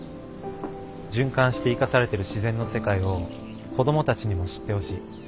循環して生かされている自然の世界を子どもたちにも知ってほしい。